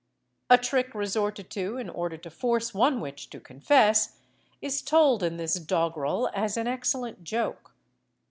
A trick resorted to in order to force one witch to confess, is told in this doggrel as an excellent joke.